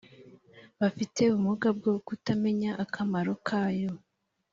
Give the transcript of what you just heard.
bafite ubumuga bwo kutamenya akamaro kayo.